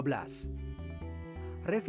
juga melakukan revisi